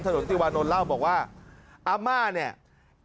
ถนนติวานนท์เล่าบอกว่าอาม่าเนี่ย